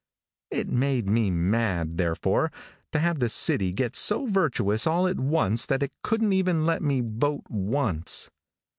It made me mad, therefore, to have the city get so virtuous all at once that it couldn't even let me vote once.